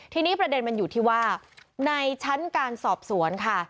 ทีนี้ประเด็นมันอยู่ที่ว่าในชั้นการสอบสวนค่ะ